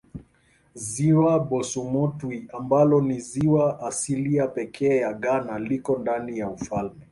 Ziwa Bosumtwi ambalo ni ziwa asilia pekee ya Ghana liko ndani ya ufalme.